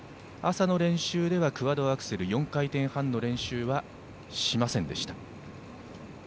朝の練習ではクアッドアクセル４回転半の練習はしませんでした。